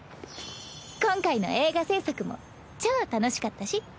今回の映画制作も超楽しかったし！